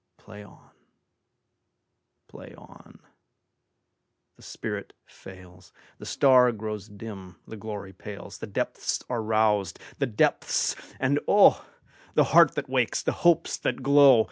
Play on! Play on! The spirit fails, The star grows dim, the glory pales, The depths are roused—the depths, and oh! The heart that wakes, the hopes that glow!